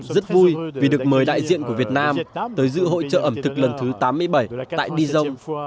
rất vui vì được mời đại diện của việt nam tới dự hội trợ ẩm thực lần thứ tám mươi bảy tại di dông